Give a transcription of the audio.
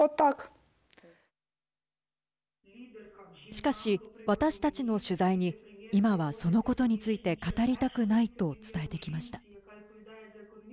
しかし、私たちの取材に今は、そのことについて語りたくないと伝えてきました。